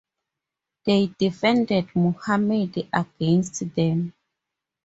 They defended Muhammad against them.